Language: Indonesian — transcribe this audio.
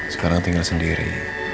sekarang tinggal sendiri